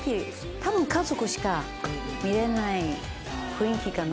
多分家族しか見れない雰囲気かな。